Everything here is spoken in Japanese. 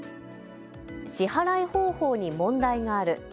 支払い方法に問題がある。